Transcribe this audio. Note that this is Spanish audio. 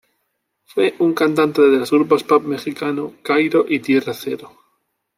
Fue un cantante de los grupos pop mexicano "Kairo" y "Tierra Cero".